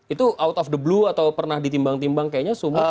itu out of the blue atau pernah ditimbang timbang kayaknya sumur